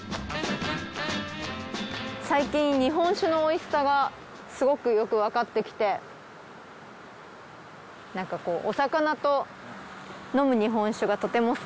最近日本酒のおいしさがすごくよくわかってきてなんかこうお魚と飲む日本酒がとても好きなので。